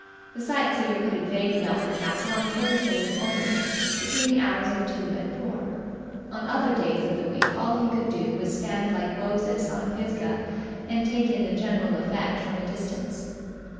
The sightseer could invade Belpher Castle on Thursdays only, between the hours of two and four. On other days of the week all he could do was to stand like Moses on Pisgah and take in the general effect from a distance.